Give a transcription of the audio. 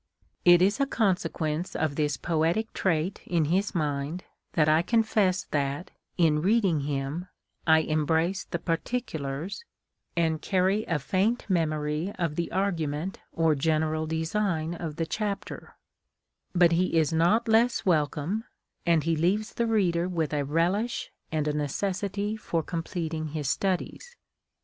It is a consequence of this poetic trait in his mind, that I con fess that, in reading him, I embrace the particulars, and carry a faint memory of the argument or general design of the chapter ; but he is not less welcome, and he leaves the reader with a relish and a necessity for completing his studies.